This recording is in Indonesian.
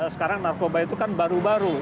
sekarang narkoba itu kan baru baru